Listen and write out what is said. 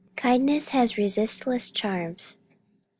"Kindness has resistless charms."